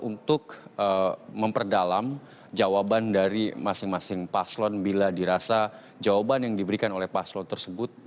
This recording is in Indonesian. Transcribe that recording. untuk memperdalam jawaban dari masing masing paslon bila dirasa jawaban yang diberikan oleh paslon tersebut